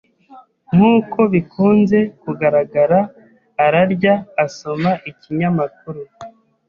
Nkuko bikunze kugaragara, ararya asoma ikinyamakuru.